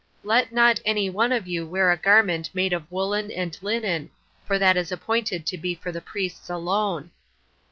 11. Let not any one of you wear a garment made of woolen and linen, for that is appointed to be for the priests alone.